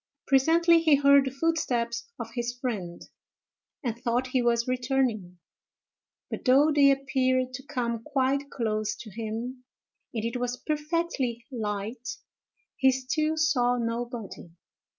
Presently he heard the footsteps of his friend, and thought he was returning; but though they appeared to come quite close to him, and it was perfectly light, he still saw nobody.